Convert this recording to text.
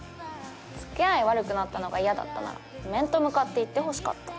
付き合い悪くなったのが嫌だったら面と向かって言ってほしかった。